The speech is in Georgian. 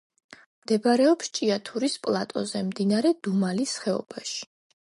მდებარეობს ჭიათურის პლატოზე, მდინარე დუმალის ხეობაში.